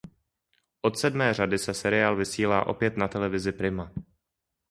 Od sedmé řady se seriál vysílá opět na televizi Prima.